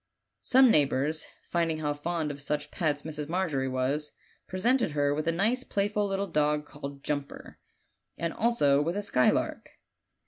Some neighbors, finding how fond of such pets Mrs. Margery was, presented her with a nice playful little dog called Jumper, and also with a skylark.